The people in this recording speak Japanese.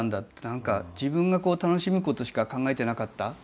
何か自分が楽しむことしか考えてなかった。